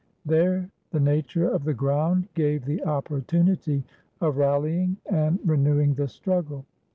There the nature of the ground gave the opportunity of rallying and re newing the struggle.